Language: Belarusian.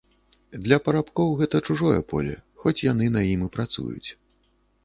Для парабкоў гэта чужое поле, хоць яны на ім і працуюць.